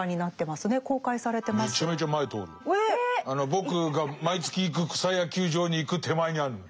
僕が毎月行く草野球場に行く手前にあるの。